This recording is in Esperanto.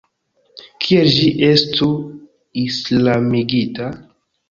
Kiel ĝi estu islamigita?